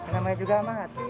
namanya juga mas